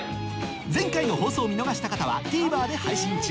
前回の放送を見逃した方はＴＶｅｒで配信中